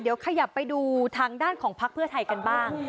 เดี๋ยวขยับไปดูทางด้านของพักเพื่อไทยกันบ้าง